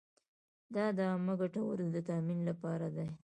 دا د عامه ګټو د تامین لپاره دی.